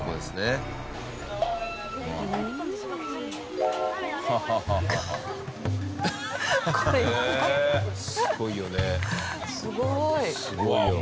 すごい！